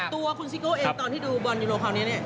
ตัวคุณซิโก้เองตอนที่ดูบอลยูโรคราวนี้เนี่ย